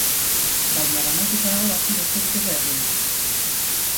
Baina banaketa hau hasi besterik ez da egin.